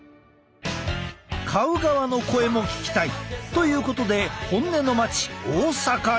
買う側の声も聞きたい！ということで本音の町大阪へ！